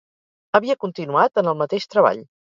Havia continuat en el mateix treball.